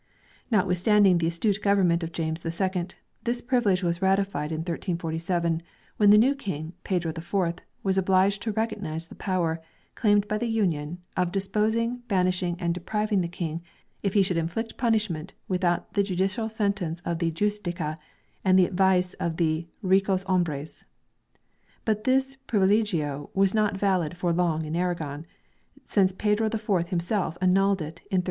Notwithstanding the astute government of James II, this privilege was ratified in 1347, when the new King, Pedro IV, was obliged to recognize the power, claimed by the Union, of deposing, banishing, and depriving the King, if he should inflict punish ment without the judicial sentence of the "Justicia" and the advice of the " ricos hombres ". But this "Privilegio" was not valid for long in Aragon, since Pedro IV himself annulled it in 1348.